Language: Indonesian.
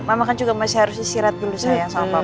mama kan juga masih harus istirahat dulu sayang sama papa